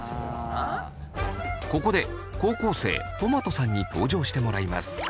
ここで高校生とまとさんに登場してもらいます。